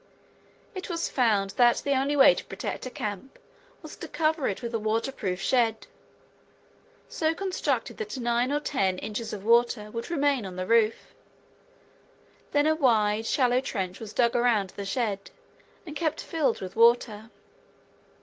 It was found that the only way to protect a camp was to cover it with a water proof shed, so constructed that nine or ten inches of water would remain on the roof. Then a wide shallow trench was dug around the shed and kept filled with water.